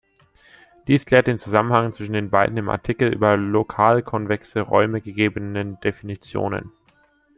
Dies klärt den Zusammenhang zwischen den beiden im Artikel über lokalkonvexe Räume gegebenen Definitionen.